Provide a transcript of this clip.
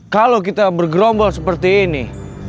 kalau kita bergerombol seperti ini